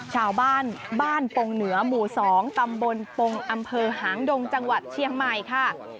ชาวบ้านบ้านปงเหนือหมู่๒ตำบลปงอำเภอหางดงจังหวัดเชียงใหม่ค่ะ